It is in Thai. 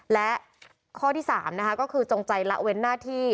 และข้อที่๓นะคะก็คือจงใจละเว้นหน้าที่